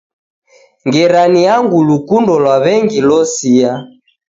Ngera ni angu lukundo lwa w'engi losia